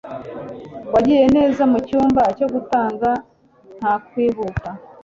wagiye neza mucyumba cyo gutanga nta kwihuta